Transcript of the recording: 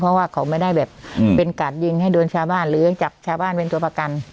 เพราะว่าเขาไม่ได้แบบเป็นกาดยิงให้โดนชาวบ้านหรือจับชาวบ้านเป็นตัวประกัน